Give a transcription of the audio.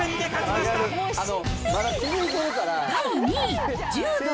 第２位、柔道。